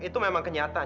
itu memang kenyataan